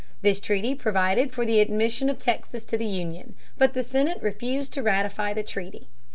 This treaty provided for the admission of Texas to the Union. But the Senate refused to ratify the treaty.